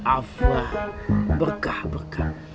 afah berkah berkah